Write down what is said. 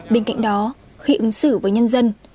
bên cạnh đó khi ứng xử với nhân dân